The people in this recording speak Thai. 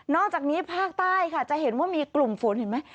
อกจากนี้ภาคใต้ค่ะจะเห็นว่ามีกลุ่มฝนเห็นไหม